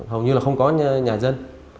hầu như là không có nhà dân